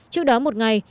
trước đó một ngày